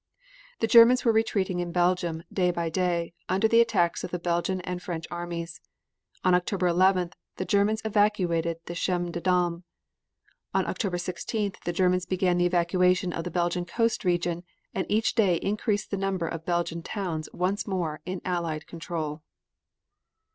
The Germans were retreating in Belgium day by day, under the attacks of the Belgian and French armies. On October 11th the Germans evacuated the Chemin des Dames. On October 16th the Germans began the evacuation of the Belgian coast region and each day increased the number of Belgian towns once more in Allied control.